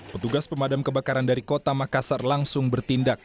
petugas pemadam kebakaran dari kota makassar langsung bertindak